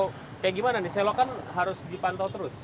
kayak gimana nih selokan harus dipantau terus